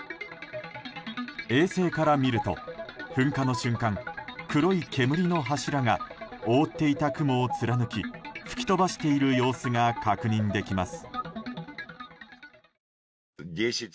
衛星から見ると噴火の瞬間、黒い煙の柱が覆っていた雲を貫き吹き飛ばしている様子が確認できます。